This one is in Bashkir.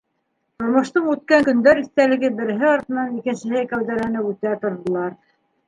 Тормоштоң үткән көндәр иҫтәлеге береһе артынан икенсеһе кәүҙәләнеп үтә торҙолар.